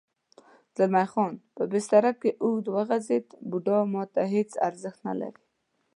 زلمی خان په بستره کې اوږد وغځېد: بوډا ما ته هېڅ ارزښت نه لري.